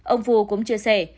ông phu cũng chia sẻ